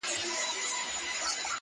مخ په مړوند کله پټیږي؛